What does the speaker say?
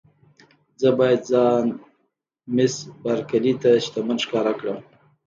زه باید ځان مېس بارکلي ته شتمن ښکاره کړم.